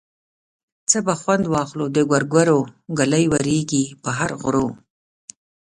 څه به خوند واخلو د ګورګورو ګولۍ ورېږي په هر غرو.